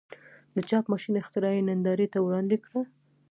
د چاپ ماشین اختراع یې نندارې ته وړاندې کړه.